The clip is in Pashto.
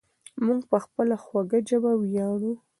موږ په خپله خوږه ژبه ویاړو.